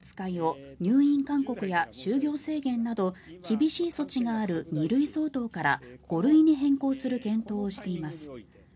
政府は第７波の収束後新型コロナの扱いを入院勧告や就業制限など厳しい措置がある２類相当から５類に変更する検討をしています。